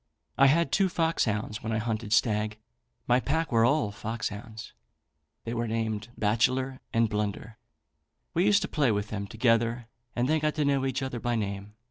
"I had two foxhounds when I hunted stag, my pack were all foxhounds, they were named Bachelor and Blunder. We used to play with them together, and they got to know each other by name.